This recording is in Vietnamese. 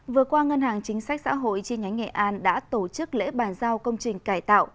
vừa qua ngân hàng chính sách xã hội chi nhánh nghệ an đã tổ chức lễ bàn giao công trình cải tạo